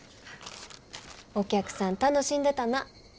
お客さん楽しんでたな。